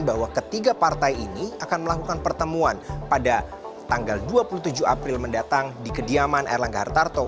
bahwa ketiga partai ini akan melakukan pertemuan pada tanggal dua puluh tujuh april mendatang di kediaman erlangga hartarto